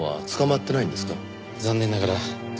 残念ながら。